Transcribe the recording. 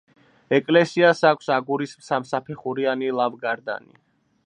ეკლესიას აქვს აგურის სამსაფეხურიანი ლავგარდანი.